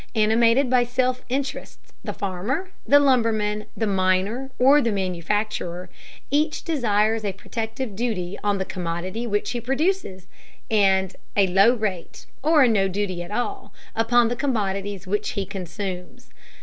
Animated by self interest, the farmer, the lumberman, the miner, or the manufacturer, each desires a protective duty on the commodity which he produces, and a low rate, or no duty at all, upon commodities which he consumes.